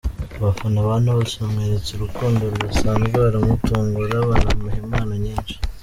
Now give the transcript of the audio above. Abafana ba Knowless bamweretse urukundo rudasanzwe, baramutungura banamuha impano nyinshi.